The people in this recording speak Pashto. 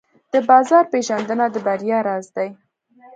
د بازار پېژندنه د بریا راز دی.